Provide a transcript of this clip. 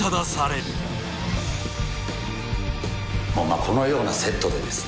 このようなセットでですね